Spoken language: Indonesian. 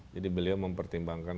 jadi beliau mempertimbangkan